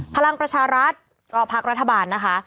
พลังประชารัฐก็พักรัฐบาลนะคะ